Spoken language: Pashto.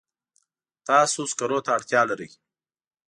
تاسو سکرو ته اړتیا لرئ.